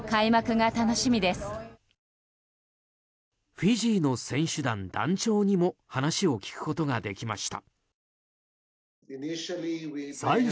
フィジーの選手団団長にも話を聞くことができました。